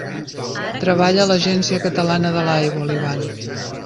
Treballa a l'Agència Catalana de l'Aigua, l'Ivan.